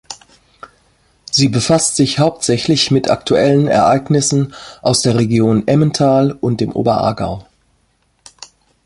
Sie befasst sich hauptsächlich mit aktuellen Ereignissen aus der Region Emmental und dem Oberaargau.